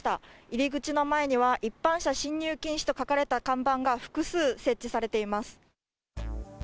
入り口の前には、一般車進入禁止と書かれた看板が複数設置されています。